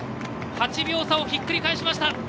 ８秒差をひっくり返しました。